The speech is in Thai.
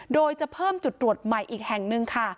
โดยจะเพิ่มจุดตรวจใหม่อีกแห่งหนึ่งค่ะ